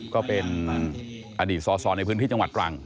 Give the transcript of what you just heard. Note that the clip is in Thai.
ก็เป็นอดีตสอในพื้นพิธีจังหวัดกลาง